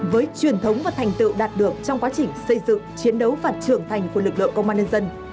với truyền thống và thành tựu đạt được trong quá trình xây dựng chiến đấu và trưởng thành của lực lượng công an nhân dân